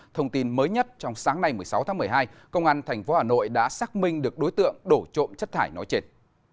thông tin mới nhất trong sáng nay một mươi sáu tháng một mươi hai công an tp hà nội đã xác minh được đối tượng đổ trộm chất thải nói trên